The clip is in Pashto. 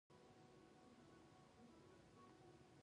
هغه اتیا تنه میلیونران پرې مدهوشه کړي وو